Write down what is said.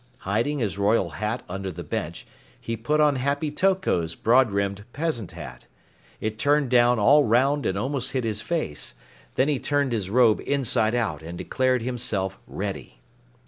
Hiding his royal hat under the bench, he put on Happy Toko's broad rimmed peasant hat. It turned down all 'round and almost hid his face. Then he turned his robe inside out and declared himself ready.